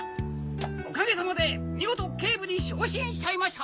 おかげさまで見事警部に昇進しちゃいました！